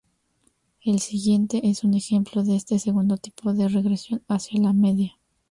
El siguiente es un ejemplo de este segundo tipo de regresión hacia la media.